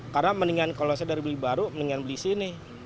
karena kalau saya dari beli baru mendingan beli sini